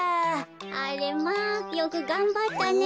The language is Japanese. あれまあよくがんばったね。